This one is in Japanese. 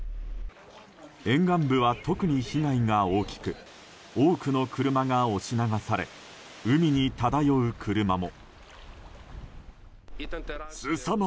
沿岸部は特に被害が大きく多くの車が押し流され海に漂う車も。